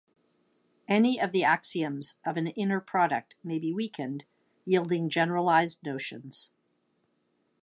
Any of the axioms of an inner product may be weakened, yielding generalized notions.